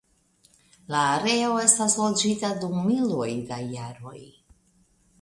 La areo estis loĝita dum miloj da jaroj.